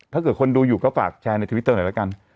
ถ้าเกิดคนดูอยู่ก็ฝากแชร์ในทวิตเตอร์หน่อยแล้วกัน